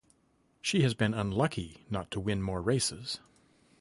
She has been unlucky not to win more races.